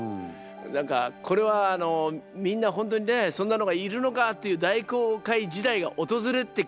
何かこれはあのみんな本当にねそんなのがいるのかっていう大航海時代が訪れてきますよね。